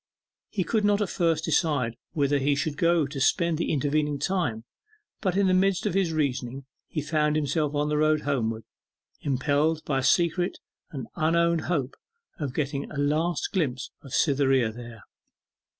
He could not at first decide whither he should go to spend the intervening time; but in the midst of his reasonings he found himself on the road homeward, impelled by a secret and unowned hope of getting a last glimpse of Cytherea there.